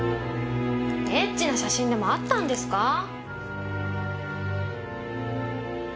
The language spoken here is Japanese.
エッチな写真でもあったんですか？